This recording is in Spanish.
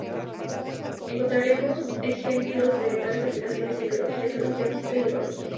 Encontramos ejemplos de tales aplicaciones en biología, geología, física y ecología.